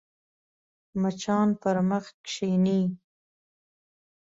مچان پر مخ کښېني